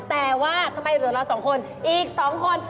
แต่ว่าทำไมเหลือเราสองคนอีก๒คน